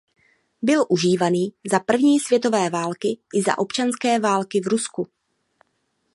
Byl užívaný za první světové války i za občanské války v Rusku.